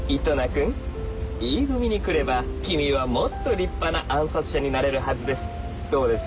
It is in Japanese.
君Ｅ組に来れば君はもっと立派な暗殺者になれるはずですどうです？